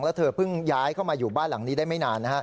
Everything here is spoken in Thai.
แล้วเธอเพิ่งย้ายเข้ามาอยู่บ้านหลังนี้ได้ไม่นาน